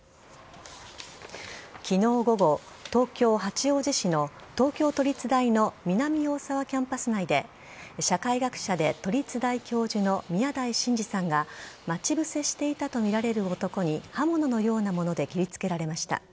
昨日午後、東京・八王子市の東京都立大学の南大沢キャンパス内で社会学者で都立大教授の宮台真司さんが待ち伏せしていたとみられる男に刃物のようなもので切りつけられました。